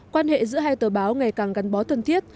quan hệ giữa hai tờ báo ngày càng gắn bó thân thiết